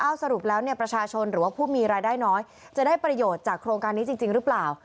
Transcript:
สรุปแล้วเนี่ยประชาชนหรือว่าผู้มีรายได้น้อยจะได้ประโยชน์จากโครงการนี้จริงหรือเปล่า